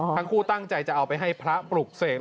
ทั้งคู่ตั้งใจจะเอาไปให้พระปลุกเสก